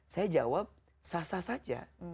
saya jawab sah sah saja